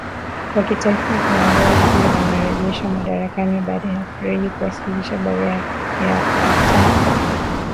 wa kitaifa viongozi wamerejeshwa madarakani baada ya freji kuwasilisha barua ya kutaka